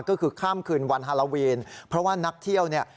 ก็คือข้ามคืนวันฮาโลวีนเพราะว่านักเที่ยวเนี่ย